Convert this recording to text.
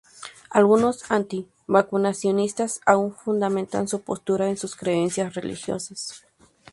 Algunos anti-vacunacionistas aún fundamentan su postura en sus creencias religiosas.